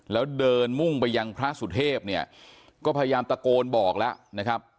แล้วเดินมุ่งไปยังพระสุเทพเนี่ยก็พยายามตะโกนบอกแล้วนะครับ